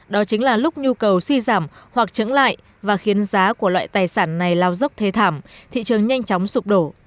đó chính là lúc nhu cầu suy giảm hoặc trứng lại và khiến giá của loại tài sản này lao dốc thế thảm thị trường nhanh chóng sụp đổ